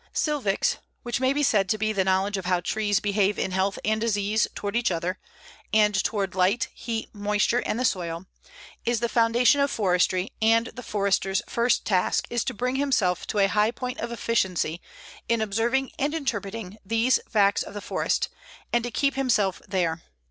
Silvics, which may be said to be the knowledge of how trees behave in health and disease toward each other, and toward light, heat, moisture, and the soil, is the foundation of forestry and the Forester's first task is to bring himself to a high point of efficiency in observing and interpreting these facts of the forest, and to keep himself there.